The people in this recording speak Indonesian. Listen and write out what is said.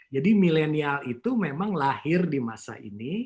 jadi milenial itu memang lahir di masa itu